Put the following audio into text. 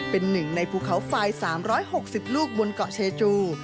เป็นหนึ่งในภูเขาไฟล์๓๖๐ลูกบนเกาะเชจู